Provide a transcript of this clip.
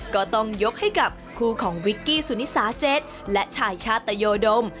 ก็ต้องยกให้กับคู่ของวิกกี้สุนิสาเจ็ดและชายชาตยดม